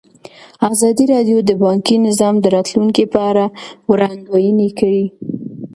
ازادي راډیو د بانکي نظام د راتلونکې په اړه وړاندوینې کړې.